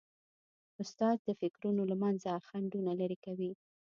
استاد د فکرونو له منځه خنډونه لیري کوي.